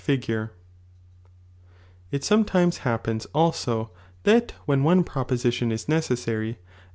I E sometimes happens also that when one pro ntion U necessary, a.